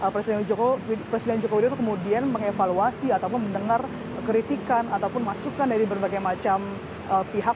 presiden joko widodo kemudian mengevaluasi ataupun mendengar kritikan ataupun masukan dari berbagai macam pihak